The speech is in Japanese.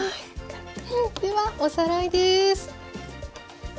ではおさらいです。